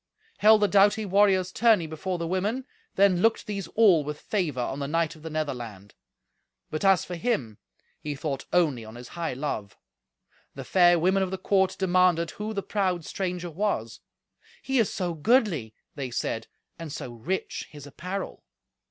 Held the doughty warriors tourney before the women, then looked these all with favour on the knight of the Netherland. But, as for him, he thought only on his high love. The fair women of the court demanded who the proud stranger was. "He is so goodly," they said, "and so rich his apparel."